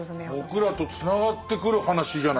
僕らとつながってくる話じゃないですか。